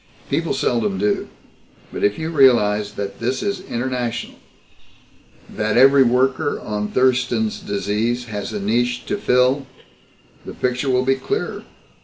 "People seldom do. But if you realize that this is international, that every worker on Thurston's Disease has a niche to fill, the picture will be clearer.